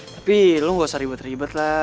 tapi lo gausah ribet ribet lah